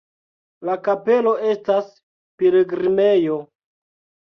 La kapelo estas pilgrimejo.